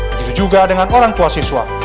begitu juga dengan orang tua siswa